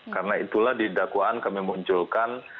karena itulah didakwaan kami munculkan